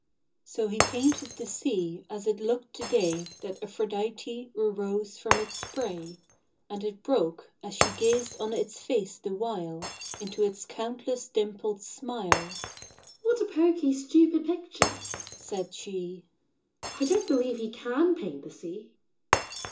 So he painted the sea as it looked the day That Aphroditè arose from its spray; And it broke, as she gazed on its face the while, Into its countless dimpled smile. "What a poky, stupid picture!" said she: "I don't believe he can paint the sea!"